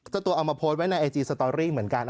ตัวเอามาโพสต์ไว้ในไอจีสตอรี่เหมือนกัน